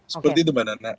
seperti itu mbak nana